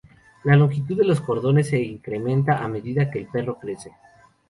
La longitud de los cordones se incrementa a medida que el perro crece.